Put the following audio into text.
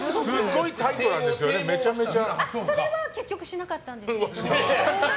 それは結局しなかったんですけど。